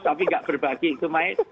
tapi nggak berbagi